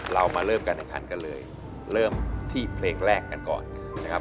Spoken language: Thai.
เรามาเริ่มการแข่งขันกันเลยเริ่มที่เพลงแรกกันก่อนนะครับ